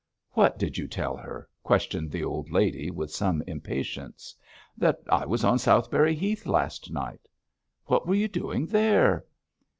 'What did you tell her?' questioned the old lady, with some impatience. 'That I was on Southberry Heath last night.' 'What were you doing there?'